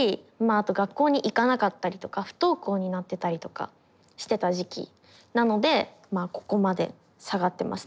あと学校に行かなかったりとか不登校になってたりとかしてた時期なのでまあここまで下がってますね。